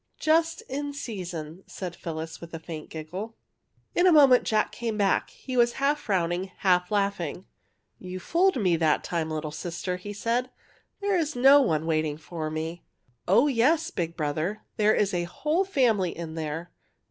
'^ Just in season," said Phyllis, with a faint giggle. 60 JACK IN THE PULPIT In a moment Jack came back. He was half frowning, half laughing. '' You fooled me that time, little sister," he said. '' There is no one waiting for me! "" Oh, yes, big brother, there is a whole fam ily in there.